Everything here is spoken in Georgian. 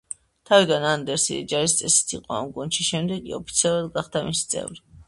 თავიდან ანდერსი იჯარის წესით იყო ამ გუნდში, შემდეგ კი ოფიციალურად გახდა მისი წევრი.